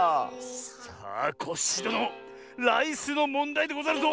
さあコッシーどのライスのもんだいでござるぞ！